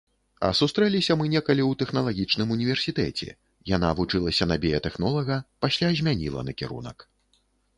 А сустрэліся мы некалі ў тэхналагічным універсітэце, яна вучылася на біятэхнолага, пасля змяніла накірунак.